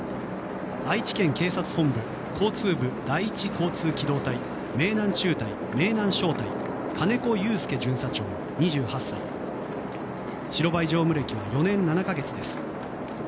愛知県警察本部交通部第１交通機動隊名南中隊名南小隊金子裕介巡査長、２８歳白バイ乗務歴は４年７か月です。